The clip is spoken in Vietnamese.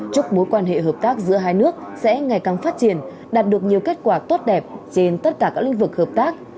chúc mối quan hệ hợp tác giữa hai nước sẽ ngày càng phát triển đạt được nhiều kết quả tốt đẹp trên tất cả các lĩnh vực hợp tác